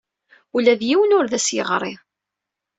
Ula d yiwen ur as-d-yeɣri.